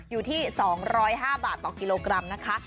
อยู่ที่๒๐๕บาทต่อกิโลกรัมนะคะ